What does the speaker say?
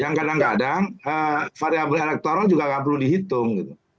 yang kadang kadang variabel elektoral juga tidak perlu dihitung